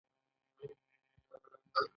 دا پانګوال کارګرانو ته مزد ورکوي